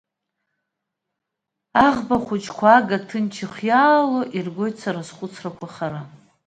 Аӷба хәыҷқәа ага ҭынч ихиаало, иргоит сара схәыцрақәа хара.